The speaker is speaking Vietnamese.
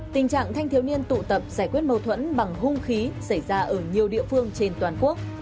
tình trạng thanh thiếu niên tụ tập giải quyết mâu thuẫn bằng hung khí xảy ra ở nhiều địa phương trên toàn quốc